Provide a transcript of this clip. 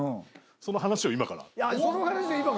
その話を今からするの？